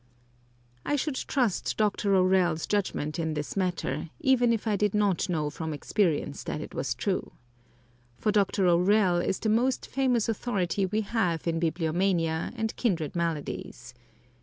I should trust Dr. O'Rell's judgment in this matter, even if I did not know from experience that it was true. For Dr. O'Rell is the most famous authority we have in bibliomania and kindred maladies.